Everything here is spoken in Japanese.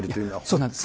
そうなんです。